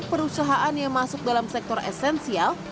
perusahaan yang masuk dalam sektor esensial